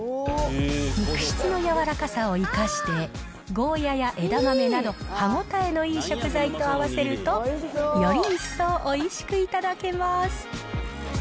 肉質の柔らかさを生かして、ゴーヤや枝豆など、歯応えのいい食材と合わせると、より一層おいしく頂けます。